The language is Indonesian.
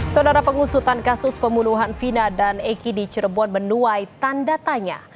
saudara pengusutan kasus pembunuhan vina dan eki di cirebon menuai tanda tanya